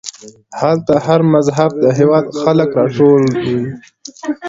هلته د هر مذهب او هېواد خلک راټول وي.